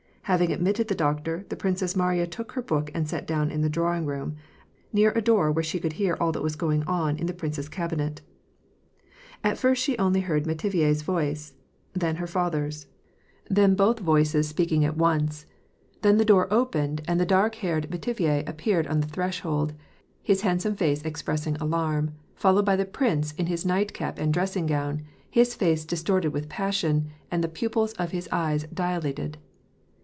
Having admitted the doctor, the Princess Mariya took her book, and sat down in the drawing room, near a door, where she could hear all that was going on in the prince's cabinet. At first she heard only M^tivier's voice, then her father's, WAR AND PEACE. 317 then both voices speaking at once ; then the door opened, and the dark haired Metivier appeared on the threshold, his hand some face expressing alarm, followed by the prince in his nightcap and dressing gown, his face distorted with passion, and the pupils of his eyes dilated.